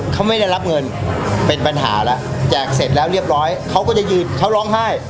เขาไม่ได้รับเงินเป็นปัญหาแล้วแจกเสร็จแล้วเรียบร้อยเขาก็จะยืนเขาร้องไห้